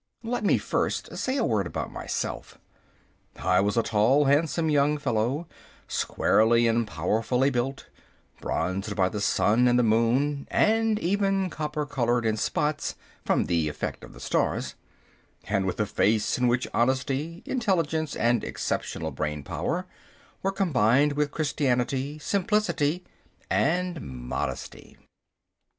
Let me first say a word about myself. I was a tall, handsome young fellow, squarely and powerfully built, bronzed by the sun and the moon (and even copper coloured in spots from the effect of the stars), and with a face in which honesty, intelligence, and exceptional brain power were combined with Christianity, simplicity, and modesty.